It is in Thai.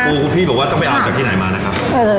คุณพี่บอกว่าต้องไปเอาจากที่ไหนมานะครับ